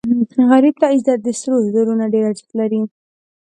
غریب ته عزت د سرو زرو نه ډېر ارزښت لري